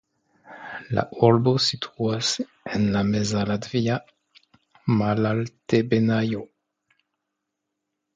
La urbo situas en la Meza Latvia malaltebenaĵo.